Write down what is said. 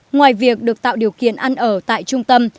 ngoài việc được tạo điều kiện ăn ở tại trung tâm